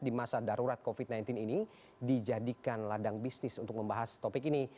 di masa darurat covid sembilan belas ini dijadikan ladang bisnis untuk membahas topik ini